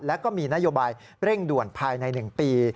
และก็มีนโยบายเร่งด่วนภายใน๑ปี